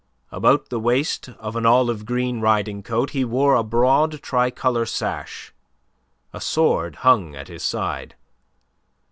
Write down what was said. About the waist of an olive green riding coat he wore a broad tricolour sash; a sword hung at his side.